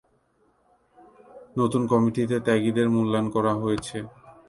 নতুন কমিটিতে ত্যাগীদের মূল্যায়ন করা হয়েছে।